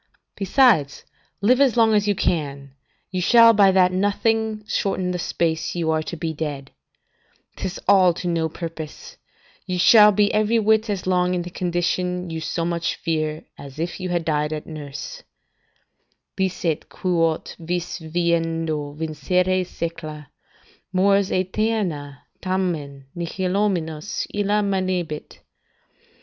Besides, live as long as you can, you shall by that nothing shorten the space you are to be dead; 'tis all to no purpose; you shall be every whit as long in the condition you so much fear, as if you had died at nurse: "'Licet quot vis vivendo vincere secla, Mors aeterna tamen nihilominus illa manebit.